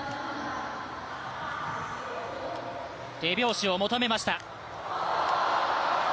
手拍子を求めました。